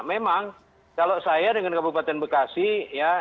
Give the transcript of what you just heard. memang kalau saya dengan kabupaten bekasi ya